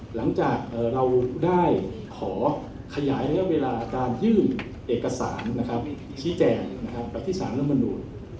หลังจากเราได้ขอขยายเวลาอาการยื่นเอกสารชี้แจงประธิษฐานลงมนุษย์